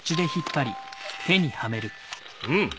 うん！